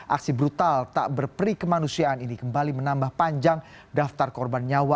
aksi brutal tak berperi kemanusiaan ini kembali menambah panjang daftar korban nyawa